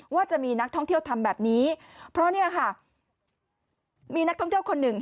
ว่าจะมีนักท่องเที่ยวทำแบบนี้เพราะเนี่ยค่ะมีนักท่องเที่ยวคนหนึ่ง